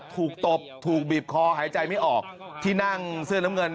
ตบถูกบีบคอหายใจไม่ออกที่นั่งเสื้อน้ำเงิน